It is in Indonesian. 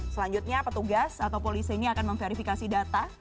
selanjutnya petugas atau polisi ini akan memverifikasi data